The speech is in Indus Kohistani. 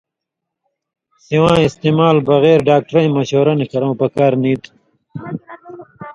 سِواں استعمال بغیر ڈاکٹرَیں مشورہ نہ کرؤں پکار نی تُھو۔